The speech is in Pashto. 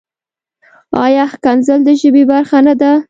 ایا کنځل د ژبې برخه نۀ ده؟